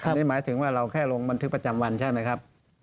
อันนี้หมายถึงว่าเราแค่ลงบันทึกประจำวันใช่ไหมครับ